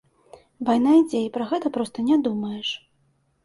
Вайна ідзе і пра гэта проста не думаеш.